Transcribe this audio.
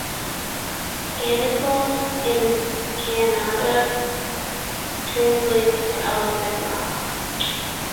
Anekal in Kannada translates to 'Elephant rock'.